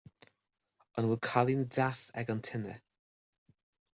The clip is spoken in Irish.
An bhfuil cailín deas ag an tine